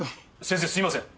先生すいません。